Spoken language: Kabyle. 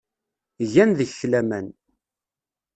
Gan deg-k laman.